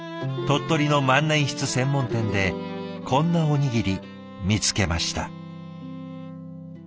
鳥取の万年筆専門店でこんなおにぎり見つけました。